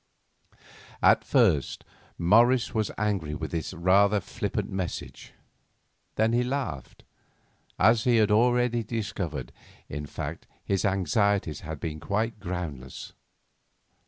At first Morris was angry with this rather flippant message; then he laughed. As he had already discovered, in fact, his anxieties had been quite groundless.